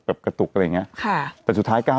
เราก็มีความหวังอะ